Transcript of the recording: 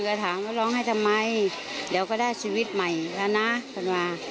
คือจะได้ชีวิตใหม่ละนะ